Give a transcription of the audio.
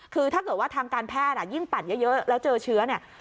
คือถ้าเกิดว่าทางการแพทย์ยิ่งปั่นเยอะแล้วเจอเชื้อเนี่ย